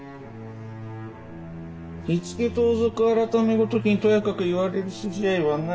火付盗賊改ごときにとやかく言われる筋合いはない。